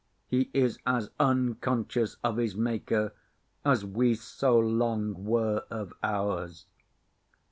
He is as unconscious of his maker as we so long were of ours.